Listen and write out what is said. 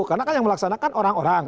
karena kan yang melaksanakan orang orang